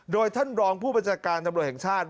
โดยท่านรองผู้บัญชาการตำรวจแห่งชาติ